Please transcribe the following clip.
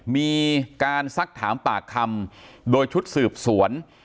มีการซักถามปากคำโดยชุดสืบสวน